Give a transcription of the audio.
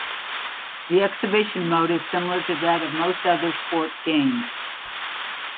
The exhibition mode is similar to that of most other sport games.